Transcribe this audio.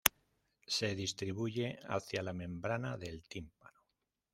Se distribuye hacia la membrana del tímpano.